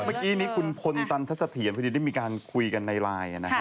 เมื่อกี้นี้คุณพลตันทัศเถียรพอดีได้มีการคุยกันในไลน์